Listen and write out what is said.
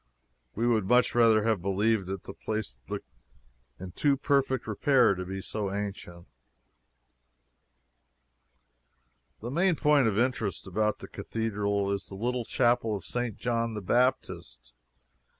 We would much rather have believed it. The place looked in too perfect repair to be so ancient. The main point of interest about the cathedral is the little Chapel of St. John the Baptist.